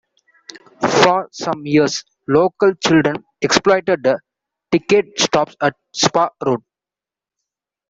For some years local children exploited the ticket stops at Spa Road.